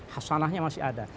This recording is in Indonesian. hasanahnya masih ada